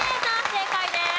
正解です。